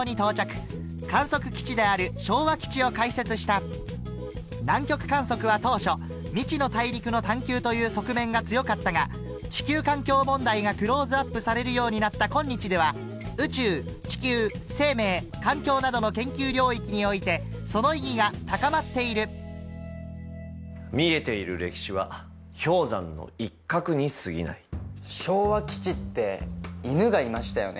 この日南極観測は当初未知の大陸の探求という側面が強かったが地球環境問題がクローズアップされるようになった今日では宇宙地球生命環境などの研究領域においてその意義が高まっている昭和基地って犬がいましたよね？